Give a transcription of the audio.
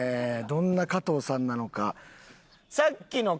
どんな加藤さんなのか。